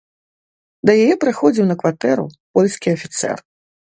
Да яе прыходзіў на кватэру польскі афіцэр.